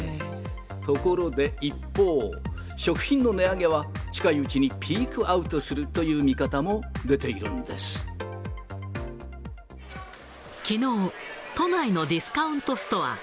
ところで一方、食品の値上げは近いうちにピークアウトするという見方も出ているきのう、都内のディスカウントストア。